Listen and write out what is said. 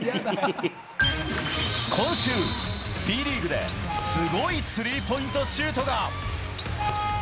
今週、Ｂリーグですごいスリーポイントシュートが。